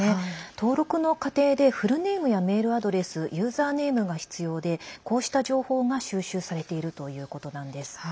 登録の過程でフルネームやメールアドレスユーザーネームが必要でこうした情報が収集されているということなんです。